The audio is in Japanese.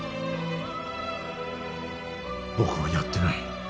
僕はやってない。